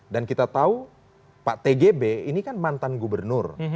dan kita tahu pak tgb ini kan mantan gubernur